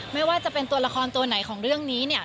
ไม่ว่าจะเป็นตัวละครตัวไหนของเรื่องนี้เนี่ย